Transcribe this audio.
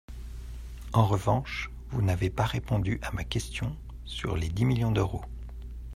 En revanche, vous n’avez pas répondu à ma question sur les dix millions d’euros.